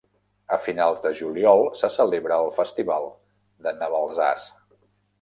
A finals de juliol se celebra el festival de Navalsaz.